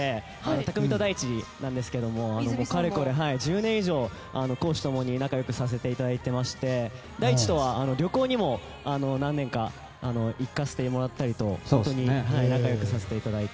匠海と大智なんですけどかれこれ１０年以上公私共に仲良くさせていただいていまして大智とは旅行にも何度か行かせてもらったりと本当に仲良くさせてもらって。